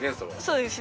そうです。